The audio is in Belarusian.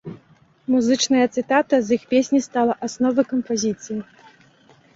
Музычная цытата з іх песні стала асновай кампазіцыі.